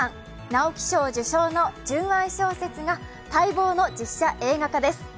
直木賞受賞の純愛小説が待望の実写映画化です。